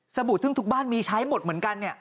บู่ซึ่งทุกบ้านมีใช้หมดเหมือนกันเนี่ย